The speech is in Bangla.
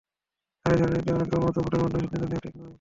আর এই ধরনের নীতিমালা কেবল মাত্র ভোটের মাধ্যমে সিদ্ধান্ত নেওয়া ঠিক নয়।